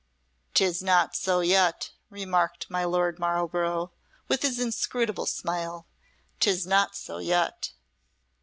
"'Tis not so yet," remarked my Lord Marlborough, with his inscrutable smile. "'Tis not so yet."